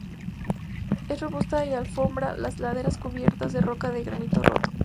Es robusta y alfombra las laderas cubiertas de roca de granito roto.